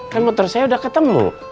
kan motor saya udah ketemu